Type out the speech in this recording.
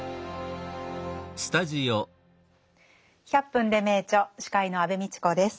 「１００分ｄｅ名著」司会の安部みちこです。